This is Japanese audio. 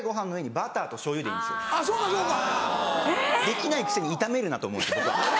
できないくせに炒めるなと思うんです僕。